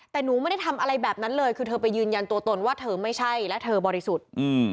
แต่หนูไม่ได้ทำอะไรแบบนั้นเลยคือเธอไปยืนยันตัวตนว่าเธอไม่ใช่และเธอบริสุทธิ์อืม